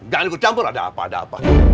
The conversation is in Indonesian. jangan ikut campur ada apa ada apa